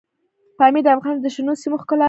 پامیر د افغانستان د شنو سیمو ښکلا ده.